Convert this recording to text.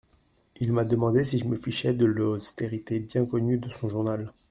Il m'a demandé si je me fichais de l'austérité bien connue de son journal.